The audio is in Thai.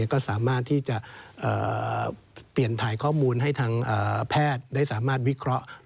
ก็สามารถที่จะเปลี่ยนถ่ายข้อมูลให้ทางแพทย์ได้สามารถวิเคราะห์